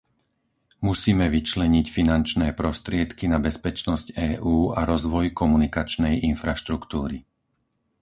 Musíme vyčleniť finančné prostriedky na bezpečnosť EÚ a rozvoj komunikačnej infraštruktúry.